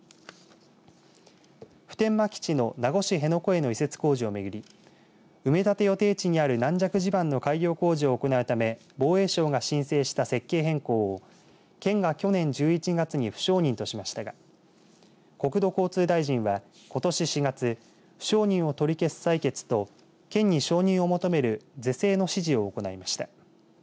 普天間基地の名護市辺野古への移設工事を巡り埋め立て予定地にある軟弱地盤の改良工事を行うため防衛省が申請した設計変更を県が去年１１月に不承認としましたが国土交通大臣は、ことし４月不承認を取り消す裁決と県に承認を求める是正の指示を行いました。